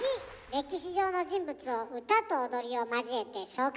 歴史上の人物を歌と踊りを交えて紹介してくれるのね。